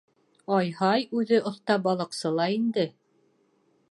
Ай-һай, үҙе оҫта балыҡсы ла инде.